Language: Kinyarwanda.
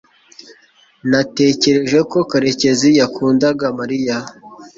natekereje ko karekezi yakundaga mariya